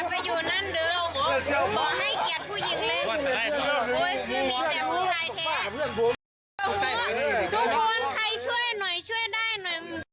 ทุกคนใครช่วยหน่อยช่วยได้หน่อย